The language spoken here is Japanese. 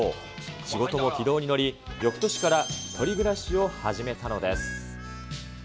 仕事も軌道に乗り、よくとしから１人暮らしを始めたのです。